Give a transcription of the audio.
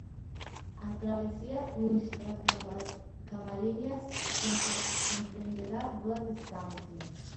A travesía Muxía-Camariñas, comprenderá dúas distancias.